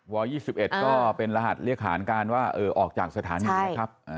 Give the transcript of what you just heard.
๒๑ก็เป็นรหัสเรียกหารการว่าออกจากสถานีนะครับ